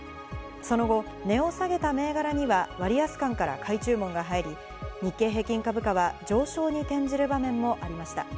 その後、値を下げた銘柄には割安感から買い注文が入り、日経平均株価は上昇に転じる場面もありました。